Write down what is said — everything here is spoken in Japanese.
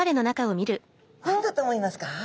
何だと思いますか？